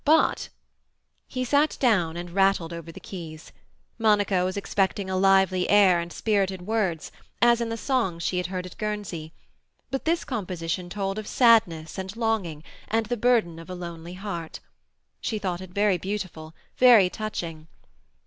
But—" He sat down and rattled over the keys. Monica was expecting a lively air and spirited words, as in the songs she had heard at Guernsey; but this composition told of sadness and longing and the burden of a lonely heart. She thought it very beautiful, very touching.